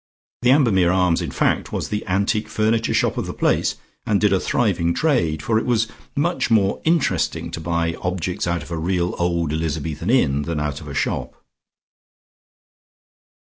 The Ambermere Arms in fact was the antique furniture shop of the place, and did a thriving trade, for it was much more interesting to buy objects out of a real old Elizabethan inn, than out of a shop.